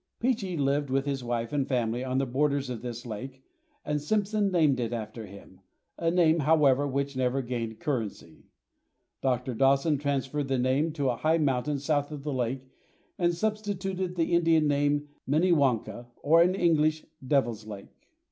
Peechee lived with his wife and family on the borders of this lake, and Simpson named it after him, a name, however, which never gained currency. Dr. Dawson transferred the name to a high mountain south of the lake, and substituted the Indian name of Minnewanka, or in English, Devil's Lake.